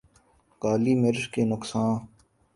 کالی مرچ کے نقصا